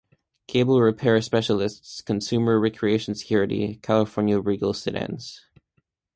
Cable Repair Specialists, Consumer Recreation Security, California Regal Sedans.